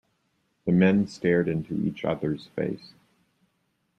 The men stared into each other's face.